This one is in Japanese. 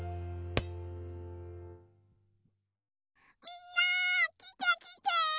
みんなきてきて！